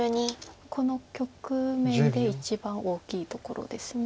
この局面で一番大きいところです。